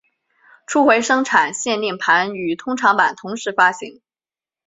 初回生产限定盘与通常版同时发行。